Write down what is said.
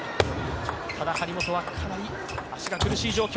ただ、張本はかなり足が苦しい状況